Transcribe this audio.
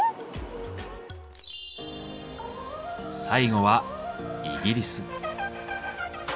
最後はイギリス。